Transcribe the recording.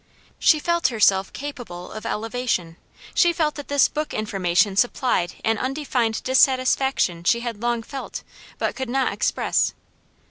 She felt herself capable of elevation; she felt that this book information supplied an undefined dissatisfaction she had long felt, but could not express.